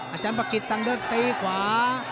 อาจารย์ประกิจสั่งเดินตีขวา